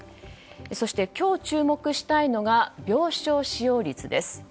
そして、今日注目したいのが病床使用率です。